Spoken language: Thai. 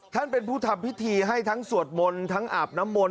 ท่านเป็นผู้ทำพิธีให้ทั้งสวดมนต์ทั้งอาบน้ำมนต